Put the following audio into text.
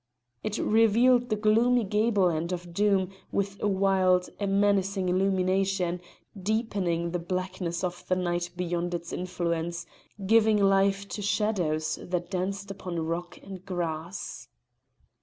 It revealed the gloomy gable end of Doom with a wild, a menacing illumination, deepening the blackness of the night beyond its influence, giving life to shadows that danced upon rock and grass.